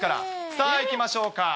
さあ、いきましょうか。